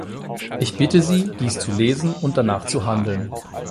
Ich bitte Sie, dies zu lesen und danach zu handeln.